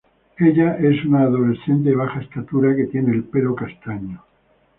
Ella es una adolescente de baja estatura que tiene el pelo castaño.